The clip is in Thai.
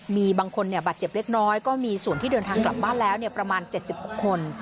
มีบางคนบาดเจ็บเล็กน้อยก็มีส่วนที่เดินทางกลับบ้านแล้วประมาณ๗๖คน